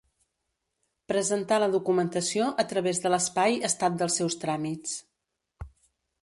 Presentar la documentació a través de l'espai Estat dels seus tràmits.